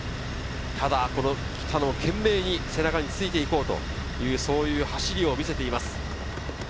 ただ北野、懸命に背中について行こうという走りを見せています。